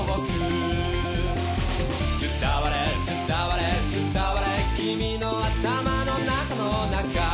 「伝われ伝われ伝われ君の頭の中の中」